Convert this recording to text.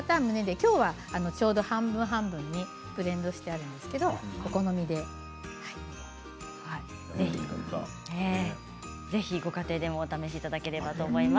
きょうもちょうど半分半分にブレンドしてあるんですけれどもお好みでぜひ、ご家庭でもお楽しみいただければと思います。